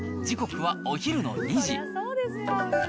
時刻はお昼の２時。